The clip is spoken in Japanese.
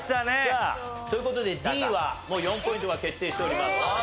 さあという事でＤはもう４ポイントが決定しております。